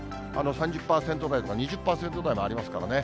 ３０％台とか２０％台もありますからね。